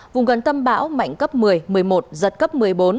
vùng gần tâm bão mạnh cấp một mươi một mươi một giật cấp một mươi bốn